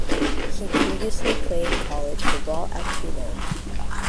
He previously played college football at Tulane.